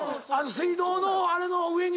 水道のあれの上に。